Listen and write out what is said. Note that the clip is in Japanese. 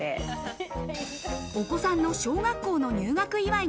お子さんの小学校の入学祝い